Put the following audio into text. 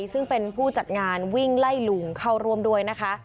ซึ่งเป็นผู้จัดงานวิ่งไล่ลุงเข้าร่วมด้วยนะคะ